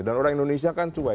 dan orang indonesia kan cuai